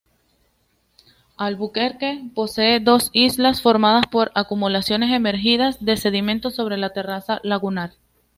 Albuquerque posee dos islas formadas por acumulaciones emergidas de sedimentos sobre la terraza lagunar.